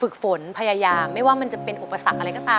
กระแทกเนาะ